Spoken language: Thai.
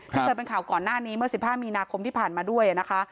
เคยเป็นข่าวก่อนหน้านี้เมื่อ๑๕มีนาคมที่ผ่านมาด้วยนะคะ